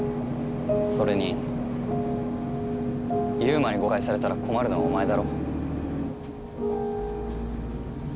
それに優馬に誤解されたら困るのはお前だろ。